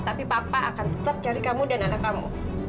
tapi papa akan tetap cari kamu dan anak kamu